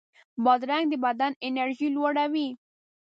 بادرنګ د بدن انرژي لوړوي.